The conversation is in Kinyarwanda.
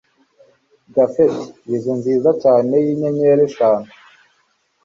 japhet bizu nziza cyane yinyenyeri eshanu